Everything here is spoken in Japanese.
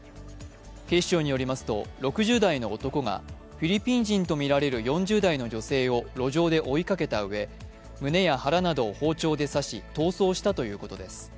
警視庁によりますと、６０代の男がフィリピン人とみられる４０代の女性を路上で追いかけたうえ、胸や腹などを包丁で刺し逃走したということです。